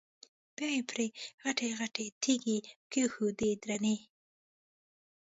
بیا یې پرې غټې غټې تیږې کېښودې درنې.